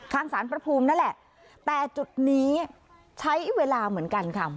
สารพระภูมินั่นแหละแต่จุดนี้ใช้เวลาเหมือนกันค่ะ